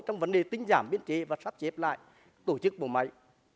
trong vấn đề tính giảm biến chế và sắp chếp lại tổ chức bộ máy